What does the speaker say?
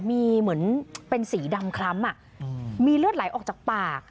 มีเหมือนเป็นสีดำคล้ำมีเลือดไหลออกจากปาก